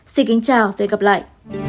xin kính chào và hẹn gặp lại